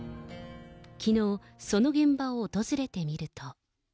きのう、その現場を訪れてみると。